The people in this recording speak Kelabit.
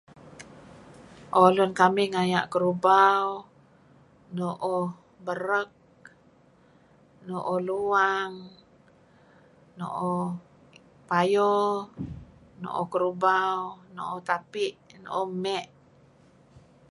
Oh lun kamih ngaya' kerubau, nuuh berek, nuuh luang, nuuh payo, nuuh kerubau, nuuh tapi', nuuh emek.